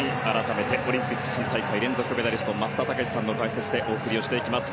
オリンピック３大会連続メダリスト松田丈志さんの解説でお送りします。